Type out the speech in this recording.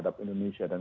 dan kita juga berharap